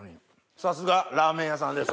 さすがラーメン屋さんです